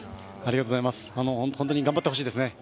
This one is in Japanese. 本当に頑張って欲しいですね。